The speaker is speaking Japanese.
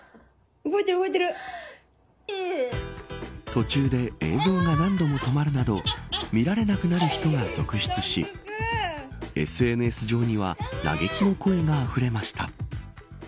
途中で映像が何度も止まるなど見られなくなる人が続出しＳＮＳ上には嘆きの声があふれました。